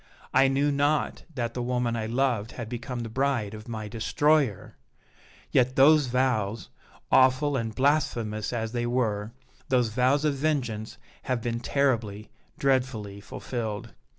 I knew not that the woman I loved had become the bride of my destroyer! Yet those vows, awful and blasphemous as they were, those vows of vengeance have been terribly, dreadfully fulfilled!